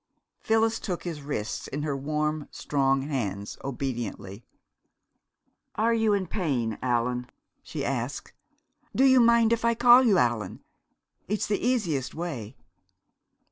Phyllis took his wrists in her warm, strong hands obediently. "Are you in pain, Allan?" she asked. "Do you mind if I call you Allan? It's the easiest way."